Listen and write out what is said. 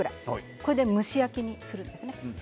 これで蒸し焼きにするんですね。